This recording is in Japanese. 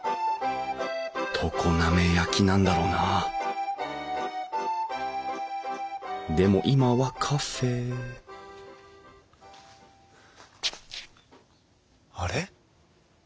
常滑焼なんだろうなあでも今はカフェあれ？